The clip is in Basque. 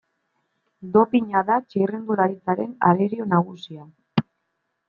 Dopina da txirrindularitzaren arerio nagusia.